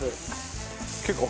結構。